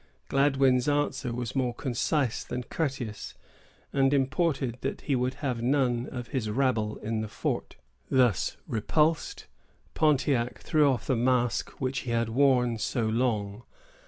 Gladwyn's answer was more concise than courteous, and imported that he would have none of his rabble in the fort. Thus repulsed, Pontiac threw off the mask which he had worn so long.